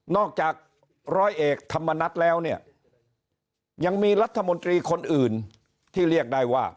จากร้อยเอกธรรมนัฐแล้วเนี่ยยังมีรัฐมนตรีคนอื่นที่เรียกได้ว่า